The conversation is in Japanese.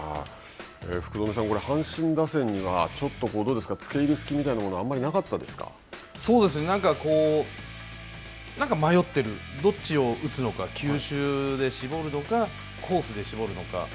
福留さん、これ阪神打線にはちょっと、つけいる隙みたいなのそうですね、なんかこうなんか迷っているどっちを打つのか、球種で絞るのか、コースで絞るのか。